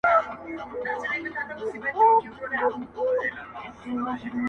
ستا دا هره ساه ګرانې زما له پاره نه ده څه